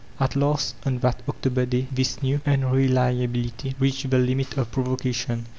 At last, on that October day, this new nnreliahilily reached the limit of provocatioQ.